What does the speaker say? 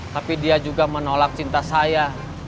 tapi dia juga menolak cinta saya